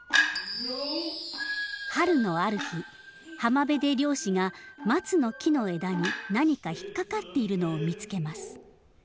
春のある日浜辺で漁師が松の木の枝に何か引っ掛かっているのを見つけます。